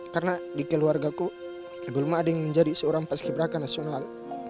karena di keluarga ku belum ada yang menjadi seorang paski braka nasional